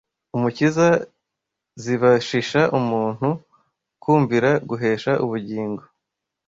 Umukiza zibashisha umuntu kumvira guhesha ubugingo.